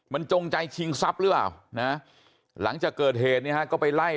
มันจงใจชิงทรัพย์หรือเปล่านะหลังจากเกิดเหตุเนี่ยฮะก็ไปไล่